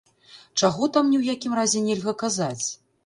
Чаго там ні ў якім разе нельга казаць?